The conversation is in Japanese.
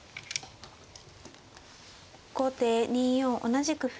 後手２四同じく歩。